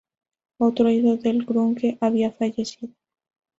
Otro ídolo del "grunge" había fallecido.